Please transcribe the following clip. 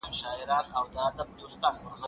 ښه ذهنیت غوسه نه زیاتوي.